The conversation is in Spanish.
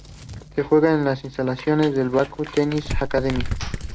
Se juega en las instalaciones de la Bakú Tennis Academy.